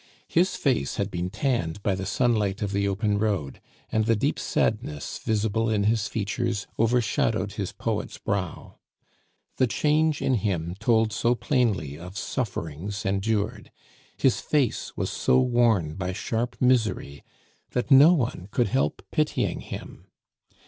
His face had been tanned by the sunlight of the open road, and the deep sadness visible in his features overshadowed his poet's brow. The change in him told so plainly of sufferings endured, his face was so worn by sharp misery, that no one could help pitying him.